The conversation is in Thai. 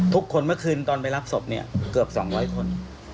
เมื่อคืนตอนไปรับศพเนี่ยเกือบ๒๐๐คน